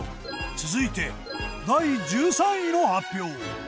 続いて第１３位の発表。